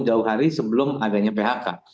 jauh hari sebelum adanya phk